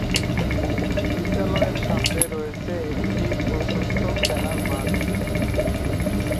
বিদ্যালয়ের সামনে রয়েছে একটি প্রশস্ত খেলার মাঠ।